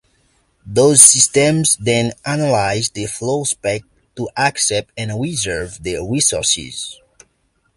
Those systems then analyse the "flowspec" to accept and reserve the resources.